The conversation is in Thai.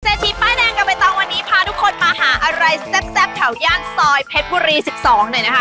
ทีป้ายแดงกับใบตองวันนี้พาทุกคนมาหาอะไรแซ่บแถวย่านซอยเพชรบุรี๑๒หน่อยนะคะ